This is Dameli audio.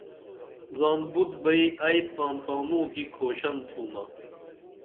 زان بُت بئی ائی تان تانوں کی کُھوشن تُھمہ